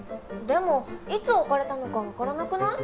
でもいつ置かれたのか分からなくない？